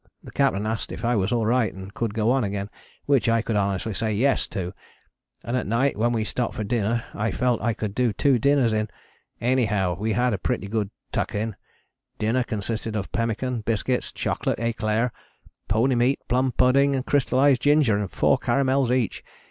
The Captain asked if I was all right and could go on again, which I could honestly say 'Yes' to, and at night when we stopped for dinner I felt I could do two dinners in. Anyhow we had a pretty good tuck in. Dinner consisted of pemmican, biscuits, chocolate éclair, pony meat, plum pudding and crystallized ginger and four caramels each.